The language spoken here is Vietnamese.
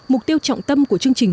mục tiêu trọng tâm của chương trình